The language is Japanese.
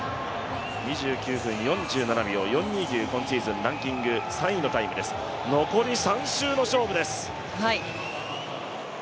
２９分４７秒４２という今シーズンランキング３位のタイム残り３周の勝負です。